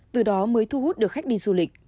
từ đó mới thu hút được khách đi du lịch